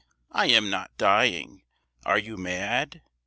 I am not dying? Are you mad?